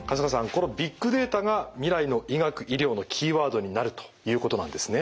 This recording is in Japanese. このビッグデータが未来の医学医療のキーワードになるということなんですね？